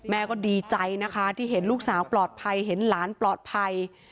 แม่ก็ดีใจนะคะที่เห็นลูกสาวปลอดภัยเห็นหลานปลอดภัย